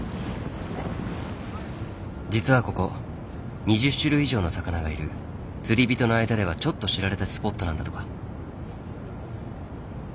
実はここ２０種類以上の魚がいる釣り人の間ではちょっと知られたスポットなんだとか。